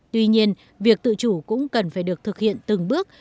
tuy nhiên việc tự chủ cũng cần phải được thực hiện từng bước